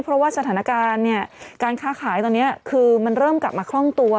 เพราะว่าสถานการณ์เนี่ยการค้าขายตอนนี้คือมันเริ่มกลับมาคล่องตัว